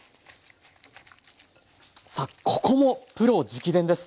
さあここもプロ直伝です。